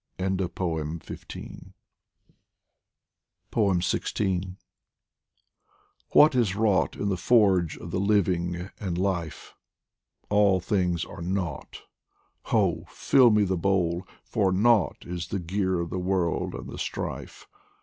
DIVAN OF HAFIZ XVI WHAT is wrought in the forge of the living and life All things are nought ! Ho ! fill me the bowl, For nought is the gear of the world and the strife